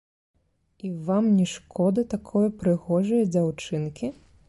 І вам не шкода такое прыгожае дзяўчынкі?